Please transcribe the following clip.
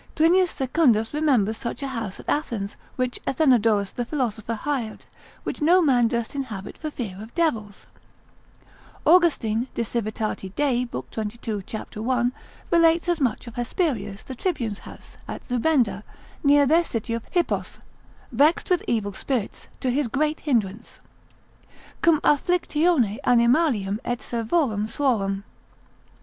Plinius Secundus remembers such a house at Athens, which Athenodorus the philosopher hired, which no man durst inhabit for fear of devils. Austin, de Civ. Dei. lib. 22, cap. 1. relates as much of Hesperius the Tribune's house, at Zubeda, near their city of Hippos, vexed with evil spirits, to his great hindrance, Cum afflictione animalium et servorum suorum.